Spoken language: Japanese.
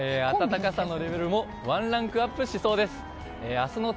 暖かさのレベルもワンランクアップしそうです。